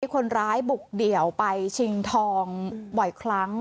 คนร้ายบุกเดี่ยวไปชิงทองบ่อยครั้ง